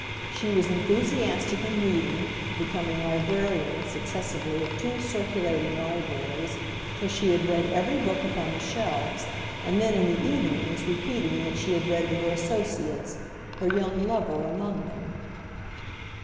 She was enthusiastic in reading, becoming librarian successively of two circulating libraries, till she had read every book upon the shelves, and then in the evenings repeating what she had read to her associates, her young lover among them.